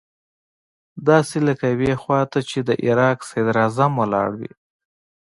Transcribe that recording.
داسې لکه يوې خوا ته چې د عراق صدراعظم ولاړ وي.